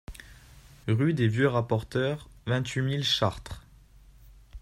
Rue des Vieux Rapporteurs, vingt-huit mille Chartres